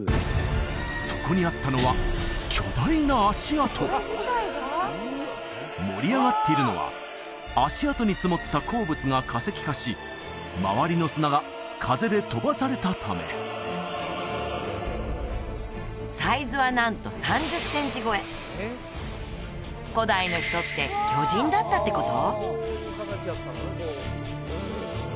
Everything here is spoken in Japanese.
そこにあったのは巨大な足跡盛り上がっているのは足跡に積もった鉱物が化石化し周りの砂が風で飛ばされたためサイズはなんと３０センチ超え古代の人って巨人だったってこと？